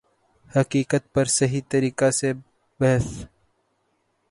حقیقت پر صحیح طریقہ سے بحث